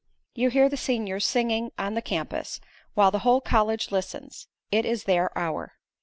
You hear the seniors singing on the campus, while the whole college listens. It is their hour.